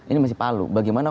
ini masih palu bagaimana